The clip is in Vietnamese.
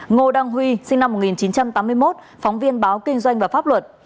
ngô đăng huy sinh năm một nghìn chín trăm tám mươi một phóng viên báo kinh doanh và pháp luật